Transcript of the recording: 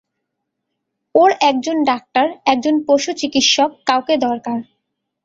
ওর একজন ডাক্তার, একজন পশুচিকিত্সক, কাউকে দরকার!